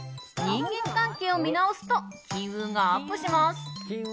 人間関係を見直すと金運がアップします。